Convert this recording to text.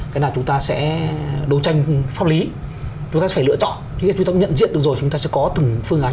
có từng phương án